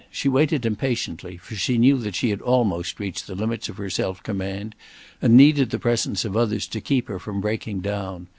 She waited impatiently, for she knew that she had almost reached the limits of her self command, and needed the presence of others to keep her from breaking down.